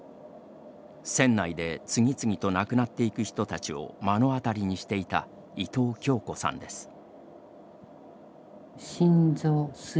船内で次々と亡くなっていく人たちを目の当たりにしていた伊藤恭子さんです。